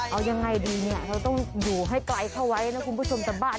เอายังไงดีเนี่ยเราต้องอยู่ให้ไกลเข้าไว้นะคุณผู้ชมสบาย